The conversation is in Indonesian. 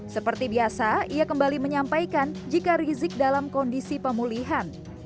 seperti biasa ia kembali menyampaikan jika rizik dalam kondisi pemulihan